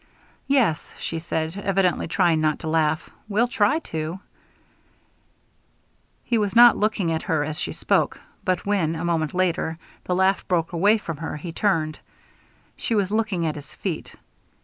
"Yes," she said, evidently trying not to laugh; "we'll try to." He was not looking at her as she spoke, but when, a moment later, the laugh broke away from her, he turned. She was looking at his feet.